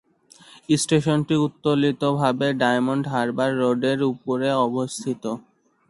স্টেশনটি উত্তোলিত ভাবে ডায়মন্ড হারবার রোডের উপরে অবস্থিত।